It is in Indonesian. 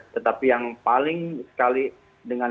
tetapi yang paling sekali dengan